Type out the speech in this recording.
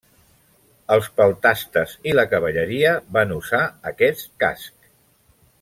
Els peltastes i la cavalleria van usar aquest casc.